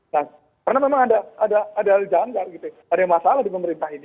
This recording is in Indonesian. nah karena memang ada hal janggal gitu ada masalah di pemerintah ini